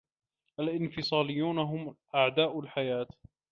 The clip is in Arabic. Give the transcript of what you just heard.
الإنفصاليون هم أعداء الحياة.